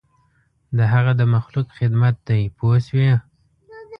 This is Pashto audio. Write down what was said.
د هغه د مخلوق خدمت دی پوه شوې!.